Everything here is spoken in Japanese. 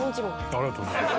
ありがとうございます。